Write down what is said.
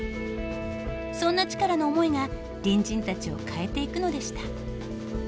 そんなチカラの思いが隣人たちを変えていくのでした。